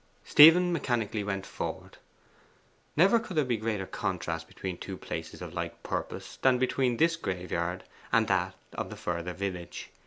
Stephen mechanically went forward. Never could there be a greater contrast between two places of like purpose than between this graveyard and that of the further village.